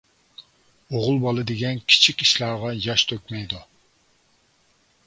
ئوغۇل بالا دېگەن كىچىك ئىشلارغا ياش تۆكمەيدۇ.